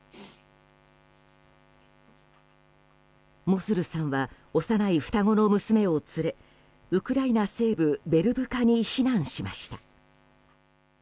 モスルさんは幼い双子の娘を連れウクライナ西部ベルブカに避難しました。